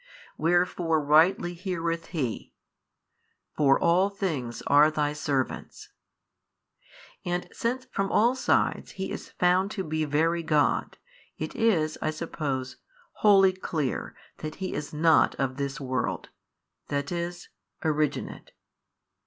Wherefore rightly heareth He, For all things are Thy servants. And since from all sides He is found to be Very God, it is (I suppose) wholly clear that He is not of this world, i. e., originate.